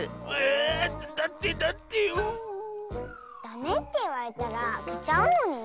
ダメっていわれたらあけちゃうのにね。